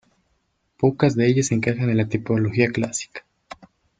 Pocas de ellas encajan en la tipología clásica.